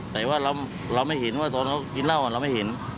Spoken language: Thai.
แต่ว่าเราไม่เห็นว่าตอนเขากินเหล้าเราไม่เห็น